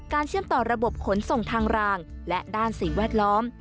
เชื่อมต่อระบบขนส่งทางรางและด้านสิ่งแวดล้อม